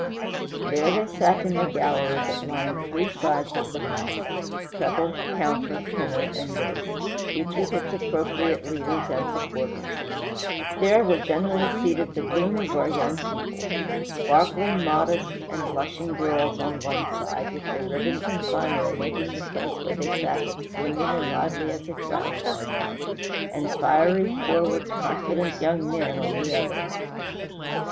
There they sat in the gallery that lined three sides of the house, treble, counter, tenor, and bass, each with its appropriate leaders and supporters; there were generally seated the bloom of our young people; sparkling, modest, and blushing girls on one side, with their ribbons and finery, making the place where they sat as blooming and lively as a flower garden, and fiery, forward, confident young men on the other.